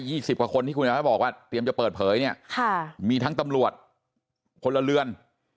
ใกล้๒๐กว่าคนที่คุณอาชริยะบอกว่าเตรียมจะเปิดเผยมีทั้งตำรวจคนละเรือน